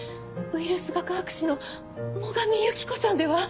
ウイルス学博士の最上友紀子さんでは？